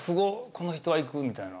この人はいくみたいな。